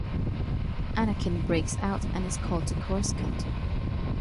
Anakin breaks out, and is called to Coruscant.